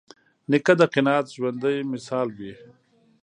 نیکه د قناعت ژوندي مثال وي.